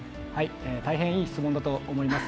大変いい質問だと思います。